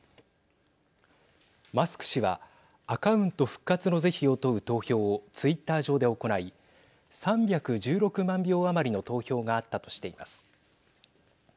マスク氏はアカウント復活の是非を問う投票をツイッター上で行い３１６万票余りの投票があったとしています。